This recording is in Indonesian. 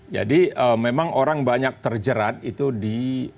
jadi memang orang banyak terjerat itu di